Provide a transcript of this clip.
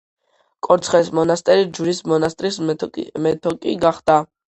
კორცხელის მონასტერი ჯვრის მონასტრის მეტოქი გახდა.